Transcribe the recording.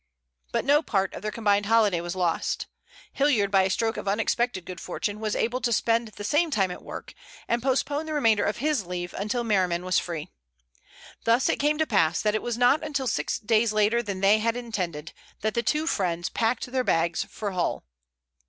But no part of their combined holiday was lost. Hilliard by a stroke of unexpected good fortune was able to spend the same time at work, and postpone the remainder of his leave until Merriman was free. Thus it came to pass that it was not until six days later than they had intended that the two friends packed their bags for Hull.